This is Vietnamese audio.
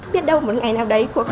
biết đâu một ngày nào đấy